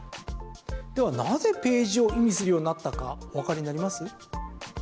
では、なぜページを意味するようになったかおわかりになります？